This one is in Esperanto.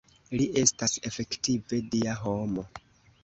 Li estas efektive Dia homo.